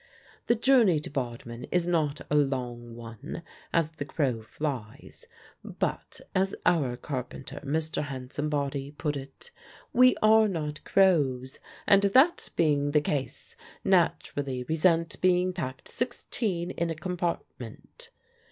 The journey to Bodmin is not a long one as the crow flies, but, as our carpenter, Mr. Hansombody, put it, "we are not crows, and, that being the case, naturally resent being packed sixteen in a compartment."